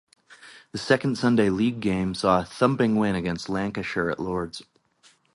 The second Sunday League game saw a thumping win against Lancashire at Lord's.